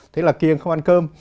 thế là kiêng không ăn cơm